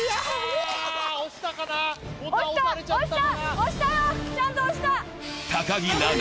押したよちゃんと押した木菜那